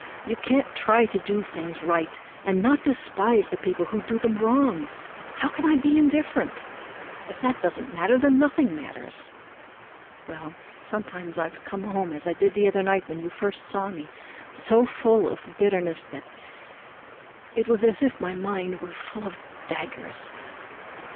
You can't try to do things right and not despise the people who do them wrong. How can I be indifferent? If that doesn't matter, then nothing matters. Well, sometimes I've come home as I did the other night when you first saw me, so full of bitterness that it was as if my mind were full of daggers.